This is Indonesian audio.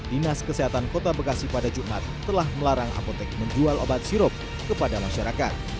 dinas kesehatan kota bekasi pada jumat telah melarang apotek menjual obat sirup kepada masyarakat